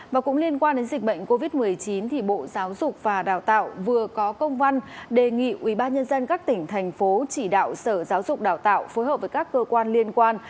và cũng liên quan đến dịch bệnh covid một mươi chín bộ giáo dục và đào tạo vừa có công văn đề nghị ubnd các tỉnh thành phố chỉ đạo sở giáo dục đào tạo phối hợp với các cơ quan liên quan